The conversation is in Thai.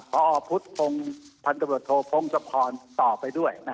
พระออพุทธโทรพงษ์ธพรต่อไปด้วย